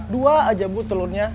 dua aja bu telurnya